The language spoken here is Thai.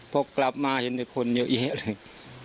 พบกลับมาเห็นคนเยอะเลย